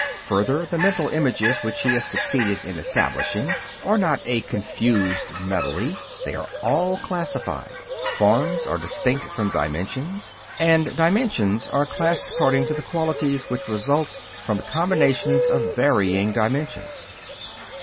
Further, the mental images which he has succeeded in establishing are not a confused medley; they are all classified forms are distinct from dimensions, and dimensions are classed according to the qualities which result from the combinations of varying dimensions.